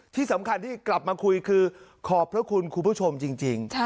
ที่สำคัญที่กลับมาคุยคือขอบพระคุณคุณผู้ชมจริง